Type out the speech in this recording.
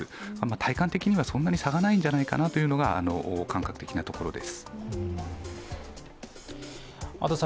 体感的にはそんなに差がないんじゃないかなというところが感覚的なところです。